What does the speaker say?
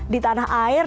di tanah air